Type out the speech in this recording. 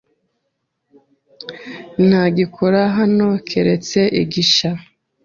Ntagikora hano keretse igishya.